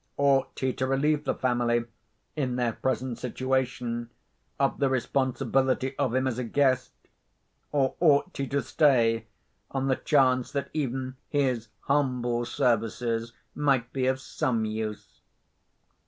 Ought he to relieve the family, in their present situation, of the responsibility of him as a guest, or ought he to stay on the chance that even his humble services might be of some use?